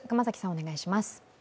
お願いします。